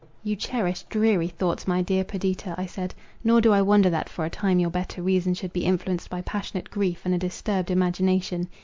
"You cherish dreary thoughts, my dear Perdita," I said, "nor do I wonder that for a time your better reason should be influenced by passionate grief and a disturbed imagination.